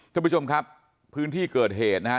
ท่านผู้ชมครับพื้นที่เกิดเหตุนะฮะ